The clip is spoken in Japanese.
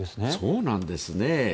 そうなんですね。